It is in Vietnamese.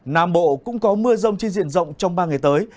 nam bộ cũng có mưa rông trên diện rộng trong ba ngày tới